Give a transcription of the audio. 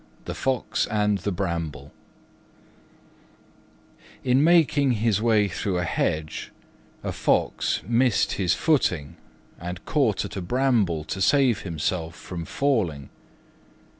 THE FOX AND THE BRAMBLE In making his way through a hedge a Fox missed his footing and caught at a Bramble to save himself from falling.